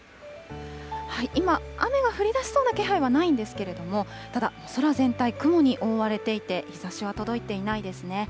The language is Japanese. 今、雨が降りだしそうな気配はないんですけれども、ただ、空全体、雲に覆われていて、日ざしは届いていないですね。